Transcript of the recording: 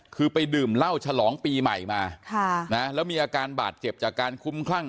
คือไปดื่มเหล้าฉลองปีใหม่มาค่ะนะแล้วมีอาการบาดเจ็บจากการคุ้มคลั่ง